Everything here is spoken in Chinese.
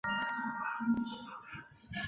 爆炸还会破坏附近之物体与生物个体。